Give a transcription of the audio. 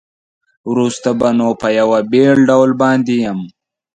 وروسته به نو په یوه بېل ډول باندې یم.